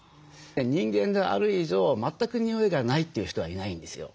人間である以上全く臭いがないという人はいないんですよ。